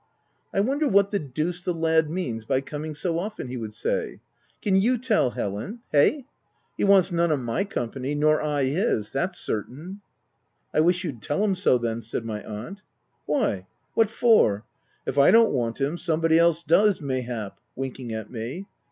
tc I wonder what the deuce the lad means be coming so often," he would say, —" can you tell, Helen ?— Hey ? He wants none o'ray company, nor I his — that's certain." * I wish you'd tell him so, then/' said my aunt. " Why, what for ? If I don't want him, some, body does mayhap (winking at me).